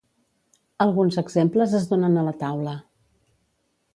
Alguns exemples es donen a la taula.